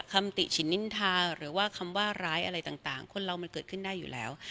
คำติฉินนินทาหรือว่าคำว่าร้ายอะไรต่างคนเรามันเกิดขึ้นได้อยู่แล้ว